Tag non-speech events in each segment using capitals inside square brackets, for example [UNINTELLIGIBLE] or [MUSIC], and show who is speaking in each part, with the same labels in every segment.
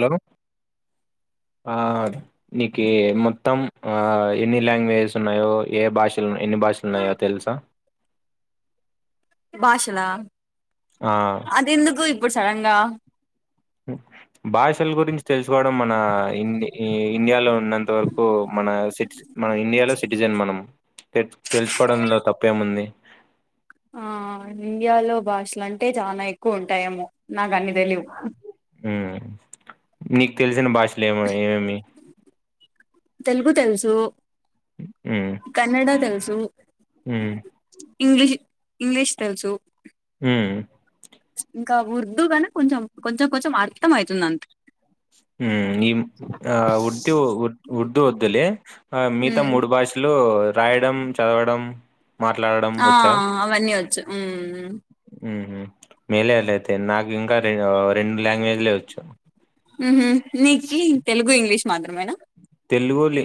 Speaker 1: లో ఆ నీకి మొ త్తం ఆ ఎన్ని లాంగ్వేజెస్ ఉన్నాయో ఏ భాషలు ఉన్నా ఎన్ని భాషలు ఉన్నాయో తెలుసా
Speaker 2: భాషలా
Speaker 1: ఆ
Speaker 2: అదెందుకు ఇ ప్పుడు సడన్గా
Speaker 1: భాషల్ గురించి తెలుసుకోవడం మన ఇండి ఇండియాలో ఉన్నంత వరకు మన సిట్స్ మన ఇండియాలో సిటిజన్ మనం తెచ్ తెలుసుకోవడంలో తప్పేముంది.
Speaker 2: ఆ ఇండియాలో భాషలంటే చాలా ఎక్కువ ఉంటాయేమో నాకు అన్ని తెలీవ్,
Speaker 1: ఉమ్ మీకు తెలిసిన భాష లేమొ ఏమేమి
Speaker 2: తెలుగు తెలుసు కన్నడ తెలుసు ను
Speaker 1: మ్మ్
Speaker 2: ఇంగ్లీష్ ఇంగ్లీష్ తెలుసు
Speaker 1: హ్మ్
Speaker 2: ఇంకా ఉర్దూగాన కొంచెం కొంచెం కొంచెం అర్థం అయితుంది అంతే
Speaker 1: మ్మ్ ఈ ఆ ఉర్దూ ఉర్దూ వద్దులే మిగతా
Speaker 2: ఉమ్,
Speaker 1: మూడు భాషలు రాయడం, చదవడం, మాట్లాడడం
Speaker 2: ఆ
Speaker 1: వచ్చా
Speaker 2: అవన్నీ వచ్చు మ్మ్
Speaker 1: ఊహూ మేలేలే ఐతే నాకింకా రెవో రెండు లాంగ్వేజ్ లే వొచ్చు
Speaker 2: ఊహూ నీకీ తెలుగు ఇంగ్లీష్ మాత్రమేనా
Speaker 1: తెలుగు లి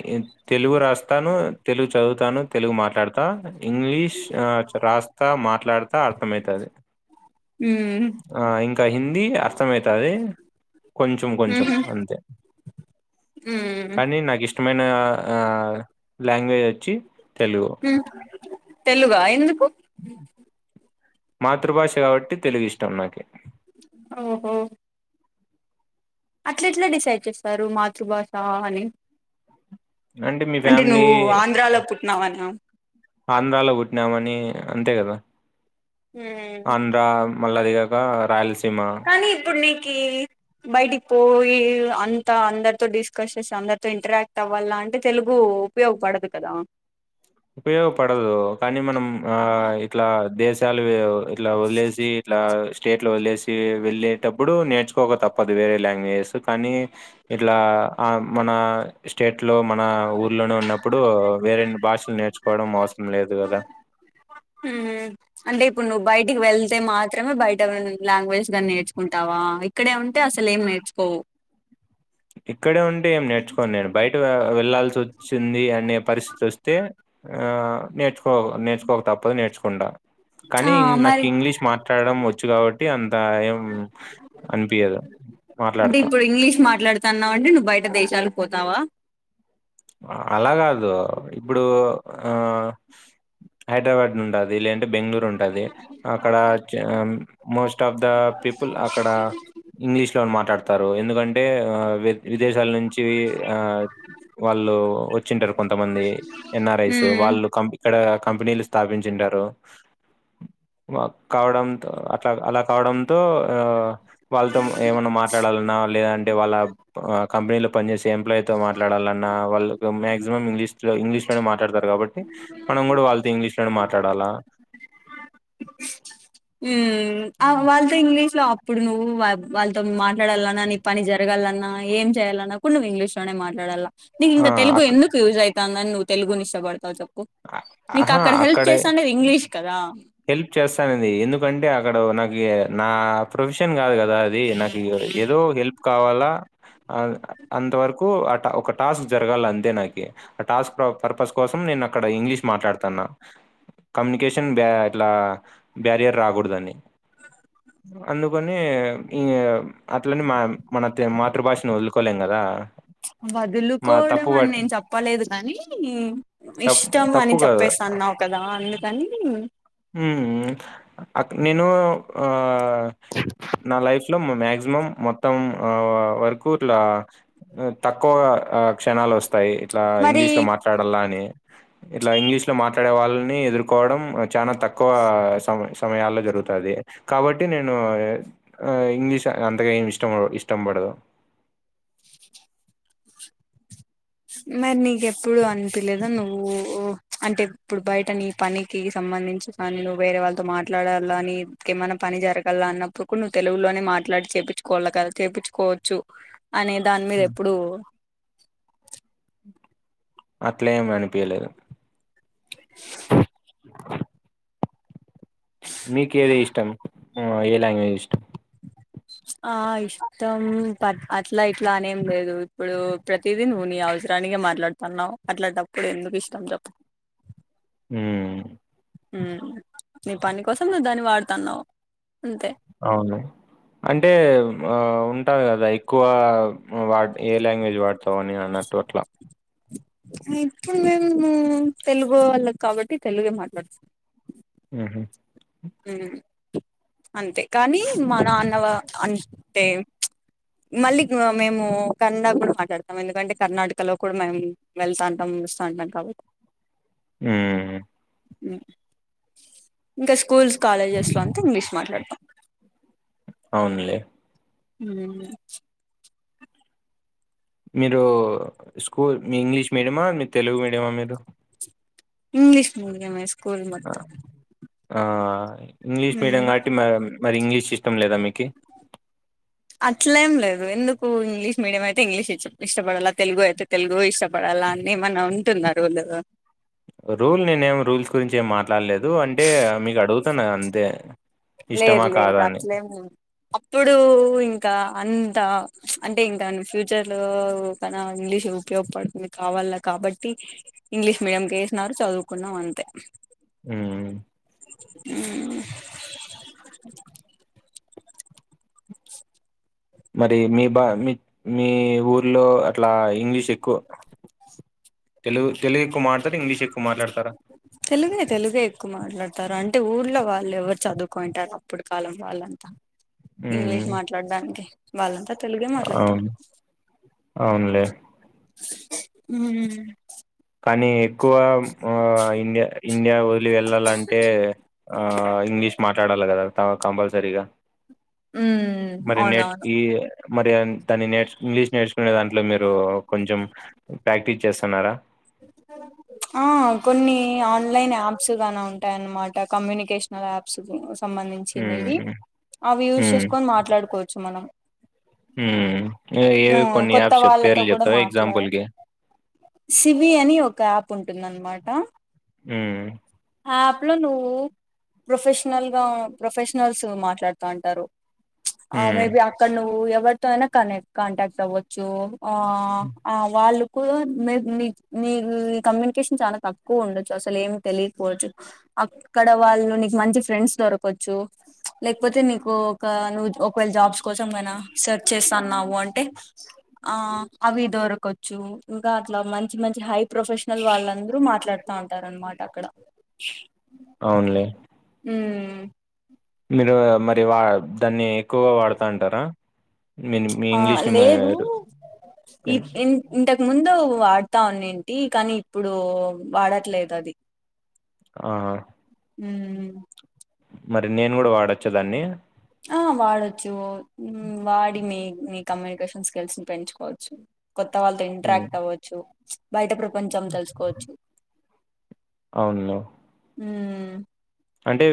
Speaker 1: తెలుగు రా తాను తెలు చదువుతాను తెలుగు మాట్లాడుతా ఇంగ్లీష్ ఆ రాస్తా మాట్ ట్లాడతా అర్తమైతాది
Speaker 2: మ్మ్
Speaker 1: ఆ ఇంకా హిందీ అర్తమైతాది కొంచెం కొంచెం
Speaker 2: మ్హు
Speaker 1: అంతే
Speaker 2: మ్మ్
Speaker 1: కానీ నాకిష్టమైన ఆ లాంగ్వేజ్ వొచ్చి
Speaker 2: హు తెలుగా ఎందుకు
Speaker 1: మాతృభాష కాబట్టి తెలుగిష్టం నాకి
Speaker 2: ఓహో అట్లెట్ల డిసైడ్ చేస్తారు మాతృభాష అని
Speaker 1: మీ
Speaker 2: అంటే
Speaker 1: ఫ్యామిలీ
Speaker 2: నువ్వు ఆంధ్రాలో పుట్టినావ అనా
Speaker 1: ఆంధ్రాలో పుట్టినామని అంతే కదా అ మళ్ళీ అది కాక రాయల్స
Speaker 2: కానీ ఇప్పుడు నీకి బయటికి పోయి అంత అందరితో డిస్కస్ చేసి అందరితో ఇంటరాక్ట్ అవ్వాల అంటే తెలుగు ఉపయోగపడదు కదా
Speaker 1: ఉపయోగపడదు కానీ మనం ఆ ఇట్లా దేశ చాలువి ఇలా ఒలేసి ఇలా స్టేట్లో వదిలేసి వెళ్ళేటప్పుడు నేర్చుకోక తప్పదు వేరే లాంగ్వేజెస్ కానీ ఇట్లా ఆ మన స్టేట్లో మన ఊర్లోనే ఉన్నప్పుడు వేరెన్ భాష్ నేర్చుకోవడం అవసరం లేదు కదా
Speaker 2: అంటే ఇప్పుడు నువ్వు బయటికి వెళ్తే మాత్రమే బయట లాంగ్వేజ్ గానీ నేర్చుకుంటావా ఇక్కడే ఉంటే అసలు ఏం నేర్చుకోవు
Speaker 1: ఇక్కడే ఉంటే ఏం నేర్చుకోని నేను బయట వెళ్ళాలల్సి వచ్చింది అనే పరిస్థితి వస్తే ఆ నేర్చు నేర్చుకోక తప్పదు నేర్చుకో కుం
Speaker 2: ఆ
Speaker 1: కానీ నాకు
Speaker 2: మరి
Speaker 1: ఇంగ్లీష్ మాట్లాడడం వచ్చు కాబట్టి అంత ఏం అనిపియదు మాట్లాడతా
Speaker 2: న్నావండి నువ్వు బయట దేశాలకు పోతావా
Speaker 1: అలా కాదు ఇప్పుడు ఆ హైదరాబాద్ నుండది లేంటి బెంగళూరు ఉంటుది అక్కడ మోస్ట్ ఆఫ్ ద పీపుల్ అక్కడ ఇంగ్లీష్ లో మాట్లాడ ఎందుకంటే అంటే ఆ వి విదేశాల నుంచి ఆ వాళ్ళు వచ్చింటారు కొంతమంది ఎన్ ఆర్ ఐస్
Speaker 2: ఉమ్
Speaker 1: వాళ్ళు ఇక్కడ కంపెనీలు ఇస్త స్థాపించి ఉంటారు కావడంతో అట్లా అలా కావడంతో వాళ్ళతో ఏమైన్నా మాట్లాడాలన్నా లేదంటే అంటే వాళ్ళ కంపెనీలో పని చేసే ఎంప్లాయీతో మాట్లాడాల న్నా వాళ్ళు మాక్సిమం ఇంగ్లీష్ లో ఇంగ్లీష్ లోనే మాట్లాడతారు కాబట్టి మనం కూడా వాళ్ళతో ఇంగ్లీష్ లోనే మాట్లాడాలా
Speaker 2: హ్మ్ వాళ్ళతో ఇంగ్లీష్ లో ఇప్పుడు నువ్వు వాళ్ళతో మాట్లాడాలన్నా నీ పని జరగాలన్నా ఏం చేయాలన్నా కూడా నువ్వు ఇంగ్లీష్ లోనే మాట్లాడాల నీకు
Speaker 1: ఆ
Speaker 2: ఇంక తెలుగు
Speaker 1: అక్
Speaker 2: ఎందుకు యూస్ అయితాందని ను తెలుగుని ఇష్టపడతావ్ చెప్పు
Speaker 1: అ-
Speaker 2: నీకు
Speaker 1: ఆహా
Speaker 2: అక్కడ హెల్ప్
Speaker 1: అక్కడే
Speaker 2: చేస్తాంది ఇంగ్లీష్ కదా
Speaker 1: హెల్ప్ చేస్తానంది ఎందుక్ కంటే అక్కడ నాకి నా ప్రొఫ్షన్ గాదు గదా అది నాకు ఏ ఏదో హెల్ప్ కావాలా అ అంతవరకు అట్ట ఒక టాస్క్ జరగాల్లంతే నాకి అ టాస్క్రో పర్పస్ కోసం నిన్నక్కడ ఇంగ్లీష్ మాట్లాడ్తన్నా కమ్యునికేషన్ బ్యా. ట్లా బ్యారియర్ రాగూడ్దని అందుకని ఈ అట్లని మా మన తె మాతృభాషను వదులుకోలేం గదా.
Speaker 2: చ్ వదులుకోడం అన్ నేన్ చెప్పలేదు కానీ
Speaker 1: తప్పు
Speaker 2: ఇష్టం
Speaker 1: తప్పు
Speaker 2: అని
Speaker 1: కాదు
Speaker 2: చెప్పేస్సాన్నావ్ కదా అందుకని.
Speaker 1: ఉమ్ అక్ నేనుూ ఉ నా లైఫ్ లో మ మ్యాక్సిమం మొత్తం వ వరకు ఇట్ల తక్కువ క్షణాలొస్ తయ్ ఇట్లా
Speaker 2: మరి
Speaker 1: ఇంగ్లీష్ లో మాట్లాడల్లా అని ఇట్ల ఇంగ్లీష్ లో మాట్. ఈడ వాల్ ని ఎదుర్కోడం వ చానా తక్కువ సమ సమయాల్లో జరుగుతాది కాబట్టి నేను ఎ అ ఇంగ్లీష్ అంతగా ఏమిష్టము ఇష్టంబడదు.
Speaker 2: మర్ నీకెప్పుడు అన్పిలేదా నువ్వూ ఉ అంటె ఇప్పుడు బయట నీ పనికి సంబంధించి కానీ నువ్ వేరే వాళ్తో మాట్లాడాల్లానీ ఏమన పని జరగల్ల అన్నప్పుడు కూడ్ నువ్ తెలుగులోనే మాట్లాడి చేపిచ్చుకోల్ల కద చేపించుకోచ్చు. అనే దాన్ మీదెప్పుడూ
Speaker 1: అట్లేం అనిపీయలేదు మీకు ఏది ఇష్టం ఓ ఏ లాంగ్వేజ్ ఇష్టం
Speaker 2: ఆ ఇష్టం ప అట్ల ఇట్ల అనేం లేదు ఇప్పుడు ప్రతిదీ నువ్వు నీ అవసరానికే మాట్లాడ్తాన్నావ్ అట్లాటప్పుడు ఎందుకిష్టం చెప్పు.
Speaker 1: ఉమ్
Speaker 2: ఉమ్ నీ పని కోసం నువ్ దాన్ని వాడ్తన్నావ్.
Speaker 1: ఔను అంటే ఉమ్ ఆ ఉ. ఉంటాద్ కద ఎక్కువా వ ఏ లాంగ్వేజ్ వాడ్. వోని అన్నట్టు అట్ల.
Speaker 2: ఇప్పుడు మెమ్మూ తెలుగు వాళ్ళక్ కాబట్టి తెలుగే మాట్లాడ్.
Speaker 1: ఉహు
Speaker 2: ఉమ్ అంతె కానీ మన అన్నవ అన్ టే మళ్ళిగ్ మేము కన్డ కూడ్ మాట్లాడుతామెందుకంటే కర్ణాటకలో కూడ మేమ్ వెళ్తాంటాం వస్తాంటాం కాబట్టి.
Speaker 1: ఉమ్
Speaker 2: ఉమ్ ఇంక స్ కూల్స్ కాలేజెస్లో అంతింగ్లీష్ మాట్లాడ్తాం.
Speaker 1: ఔన్లే
Speaker 2: ఉమ్
Speaker 1: మీరు స్కూల్ మి ఇంగ్లీష్ మీడియమా మి. తెలుగు మీడియమా మీరు.
Speaker 2: ఇంగ్లీష్ మీడియమే స్ కూల్ మొత్తం
Speaker 1: ఆ ఇంగ్లీష్ మీడియం గాట్టి మ్యామ్ మరి ఇంగ్లీష్ ఇష్టం లేదా మీకి.
Speaker 2: నువ్వెందుకు ఇంగ్లీష్ మీడియమైతే ఇంగ్లీషిచ్ ఇష్టపడల. తెల్గు ఐతే తెల్గూ ఇష్టపడాల్లా అన్నేమన్న ఉ. తున్నారు వల్లుగు
Speaker 1: రూల్ నేనేమి రూల్స్ గురించేమ్ మాట్లాల్లేదు అంటే మీకడుగుతన్న అంతే.
Speaker 2: లేదు
Speaker 1: ఇష్టమా?
Speaker 2: లేదు
Speaker 1: కాదా? అని.
Speaker 2: అట్లేము అప్పుడు ఇంకా అంతా అంటే ఇంకా ఫ్యూచర్ లో కన ఇంగ్లీష్ ఉపయోగపడుతుంది. కావాల కాబట్టి ఇంగ్లీష్ మీడియం కి వేసినారు చదువుకున్నాం అంతే.
Speaker 1: ఉ
Speaker 2: ఊ
Speaker 1: మరి మీ బా మీ మీ ఊర్లో అట్లా ఇంగ్లీష్ ఎక్కువ తెలుగు తెలుగు ఎక్కు మాట్
Speaker 2: తెలుగే తెలుగే ఎక్కువ మాట్లాడు తార అంటే ఊర్లో వాళ్ళెవరు చదువుకోయింటారు. ఇప్పుడి కాలం వాళ్ళంతా. ఇంగ్లీష్
Speaker 1: హ్మ్.
Speaker 2: మాట్లాడడానికి వాళ్లంతా
Speaker 1: అవును అవునులే
Speaker 2: హు ఉ
Speaker 1: కానీ ఎక్కువ అ ఇ ఇండియా వల్ వెళ్లాలంటే ఆ ఇంగ్లీష్ మాట్ల కడల్ గదా కంపల్సరిగా
Speaker 2: ఉమ్
Speaker 1: మరి నెట్
Speaker 2: అవునవును
Speaker 1: ఈ కి మది న్ తను నేర్చుకుంది ఇంగ్లీష్ నేర్చుకునేదాని ఇంట్లో మీరు కొంచెం ప్రాక్టీస్ చేస్తన్నారా
Speaker 2: ఆ కొన్ని ఆన్లైన్ యాప్స్ గాన ఉంటాయన్నమాట కమ్యూనికేషనల్ యాప్స్ సంబంధించిండేది.
Speaker 1: హ్మ్.
Speaker 2: అవి యూస్ చేసుకొని మాట్లాడుకోవచ్చు మనం.
Speaker 1: ఉ హు
Speaker 2: ఆ
Speaker 1: ఏఏవి కొన్ని
Speaker 2: కొత్త
Speaker 1: యాప్స్
Speaker 2: వాళ్ళతో
Speaker 1: పేర్లు
Speaker 2: కూడా
Speaker 1: చెప్తావా
Speaker 2: మాట్లా
Speaker 1: ఎగ్జాంపుల్ కి
Speaker 2: సివి అని ఒక యాప్ ఉంటుందనమాట
Speaker 1: ఉమ్ ఉ
Speaker 2: యాప్ లో నువ్వు ప్రొఫెషనల్ గా ప్రొఫెషనల్స్ మాట్లాడుతాంటారు ఆ
Speaker 1: హ్మ్.
Speaker 2: మేబి అక్కడ నువ్వు ఎవరితో అయిన కనక్ట్ కాంటాక్ట్ అవ్వచ్చు ఆ ఆ వాళ్ళు నీ నీ కమ్యూనికేషన్ చాలా తక్కువ ఉండొచ్చు అసలు ఏమి తెలియకపోవచ్చు అక్కడ వాళ్ళు నీకు మంచి ఫ్రెండ్స్ దొరకచ్చు లేకపోతే నీకు ఒక నువ్వు ఒకవేళ జాబ్స్ కోసం నువ్వు సెర్చ్ చేస్తాన్నావు అంటే అవి దొరకచ్చు ఇంకా అట్లా మంచి మంచి హై ప్రొఫెషనల్ వాళ్ళందరు మాట్లాడ వస్తా అంటార అనమాట అక్కడ
Speaker 1: అవునులే
Speaker 2: మ్మ్
Speaker 1: మీరు మరి వా దాన్ని ఎక్కువగా వాడతా అంటారా మీన్ మీ
Speaker 2: ఆ
Speaker 1: ఇంగ్లీష్‌ని
Speaker 2: లేదు
Speaker 1: మీరు
Speaker 2: ఈ
Speaker 1: పెన్
Speaker 2: ఇ ఇంతక్ ముందు వాడతా ఉన్నింటి కానీ ఇప్పుడు వాడట్లేదు అది
Speaker 1: ఆ
Speaker 2: ఉ
Speaker 1: మరి నేను కూడా వాడొచ్చేదాన్ని
Speaker 2: ఆ వాడొచ్చు వాడి మీ మీ కమ్యూనికేషన్ స్కిల్స్ ని పెంచుకోవచ్చు కొత్త వాళ్ళతో
Speaker 1: హ్మ్.
Speaker 2: ఇంట్రాక్ట్ అవ్వచ్చు బయట ప్ర కొంచెం తెలుసుకోవచ్చు
Speaker 1: అవునులే
Speaker 2: మ్మ్
Speaker 1: అంటే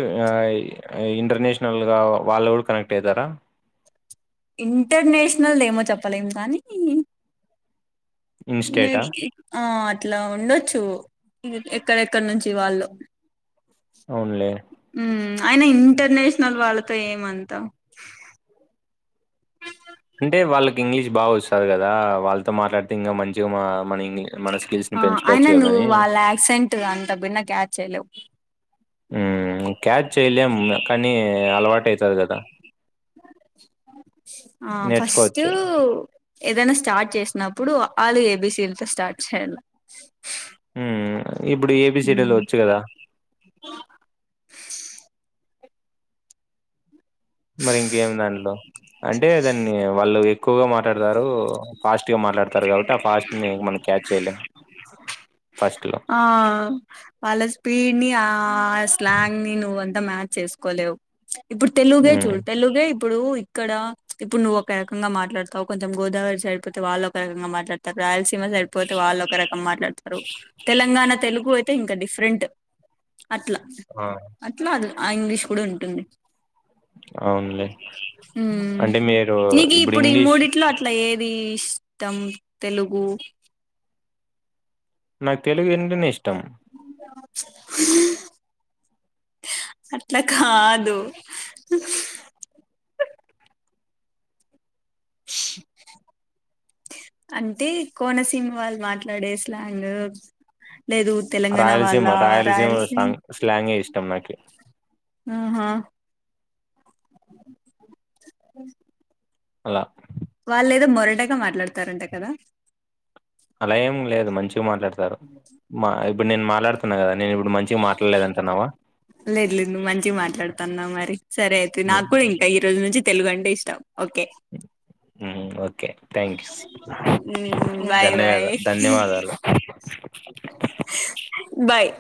Speaker 1: ఇంటర్నేషనల్ గా వాళ్ళ కూడా కనెక్ట్ అయ్యితారా
Speaker 2: ఇంటర్నేషనల్ ఏమో చెప్పలేం కానీ
Speaker 1: ఇన్‌స్టేటా?
Speaker 2: ఆ ఇట్లా ఉండొచ్చు ఎక్కడెక్కడ నుంచి వాళ్ళు
Speaker 1: అవునులే
Speaker 2: ఆయన ఇంటర్నేషనల్ వాళ్ళతో ఏమంతా
Speaker 1: అంటే వాళ్ళకి ఇంగ్లీష్ బాగా వస్తుంది కదా వాళ్ళతో మాట్లాడితే ఇంకా మంచిగా మన ఇంగ్లీ మన స్కిల్స్‌ని
Speaker 2: ఆ
Speaker 1: పెంచుకోవచ్చు
Speaker 2: అయినా నువ్వు
Speaker 1: గదని
Speaker 2: వాళ్ళ యాక్సెంట్ అంత బిన్న క్యాచ్ చేయలేవు
Speaker 1: మ్మ్ క్యాచ్ చేయలేం కానీ అలవాటు అయ్యితది కదా
Speaker 2: ఆ ఫస్ట్
Speaker 1: నేర్చుకోవచ్చు
Speaker 2: ఏదైనా స్టార్ట్ చేసినప్పుడు అ ఆ లు ఏ బి సీ లతో స్టార్ట్ చేయాల
Speaker 1: మ్మ్ ఇప్పుడు ఏ బి సీ డి లు వచ్చు కదా మరి ఇంకేమి దాంట్లో అంటే దాన్ని వాళ్ళు ఎక్కువగా మాట్లాడతారు ఫాస్ట్ గా మాట్లాడతారు కాబట్టి ఆ ఫాస్ట్ ని మనం క్యాచ్ చేయలేము ఫస్ట్ లో
Speaker 2: ఆ వాళ్ళ స్పీడ్ ని ఆ స్లాంగ్ ని నువ్వు అంతా మ్యాచ్ చేసుకోలేవు ఇప్పుడు తెలుగుగే
Speaker 1: హ్మ్.
Speaker 2: చూడుతేలు లేబ్ ఇప్పుడు ఇక్కడ ఇప్పుడు నువ్వు ఒక రకంగా మాట్లాడతావు కొంచెం గోదావరి సైడ్ పోతే వాళ్ళు ఒక రకంగా మాట్లాడతారు రాయల్స ఇమ్మ సరిపోతే వాళ్ళ ఒక రకం మాట్లాడతారు తెలంగాణ తెలుగు అయితే ఇంకా డిఫ్ ఫ్రెంట్ అట్లా
Speaker 1: ఆ!
Speaker 2: అట్లా అదూర్ ఆ ఇంగ్లీష్ కూడ్ ఉంటుంది
Speaker 1: అవునులే.
Speaker 2: ఉ
Speaker 1: అంటే మీరు
Speaker 2: నీకు ఇప్పుడు ఈ
Speaker 1: ఇంగ్లీష్
Speaker 2: మూడిట్లో అట్లా ఏర్ తి ఇష్టం తెలుగు
Speaker 1: నాకు తెలుగు ఏంటనే ఇష్టం
Speaker 2: అట్లా కాదు అంటే కోనసీమ వాళ్ళు మాట్లాడే స్లాంగ్ లేదు తెలంగాణ వాళ్ళ
Speaker 1: రాయలసీమ్ రాయల్సీమ్
Speaker 2: రాయలసీమ
Speaker 1: సాంగ్ స్లాంగ్ ఇది [UNINTELLIGIBLE] నాకి
Speaker 2: ఆహా
Speaker 1: అలా
Speaker 2: వాళ్ళు ఏదో మొరటగా మాట్లాడతారంట కదా
Speaker 1: అలా ఏం లేదు మంచి మాట్లాడతారు మా ఇప్పుడు నేను మా లాడుతున్న గదా నేను ఇప్పుడు మంచిగా మాట్లాడలేదంటున్నావా
Speaker 2: లేదు లేదు నువ్వు మంచిగా మాట్లాడుతన్నావ్ మరి సరే అయితే నాకు
Speaker 1: ఉమ్,
Speaker 2: కూడా ఇంకా ఈ రోజు నుంచిత్ తెలుగు అంటే ఇష్టం ఓకే
Speaker 1: ఉమ్, ఓకే థ్యాంక్స్
Speaker 2: ఊ బాయ్ బాయ్
Speaker 1: ధన్యవాద ధన్యవాదాలు
Speaker 2: బాయ్